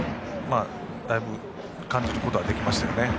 だいぶ感じることはできましたね。